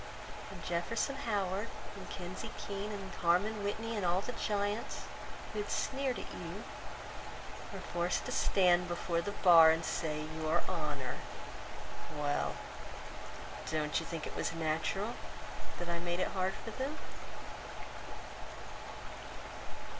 And Jefferson Howard and Kinsey Keene, And Harmon Whitney, and all the giants Who had sneered at you, were forced to stand Before the bar and say "Your Honor"— Well, don't you think it was natural That I made it hard for them?